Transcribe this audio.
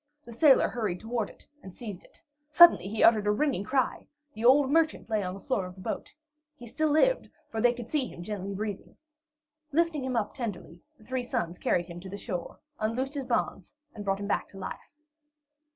The sailor hurried toward it and seized it. Suddenly he uttered a ringing cry! The old merchant lay on the floor of the boat. He still lived, for they could see him gently breathing. Lifting him up tenderly, the three sons carried him to the shore, unloosed his bonds, and brought him back to life.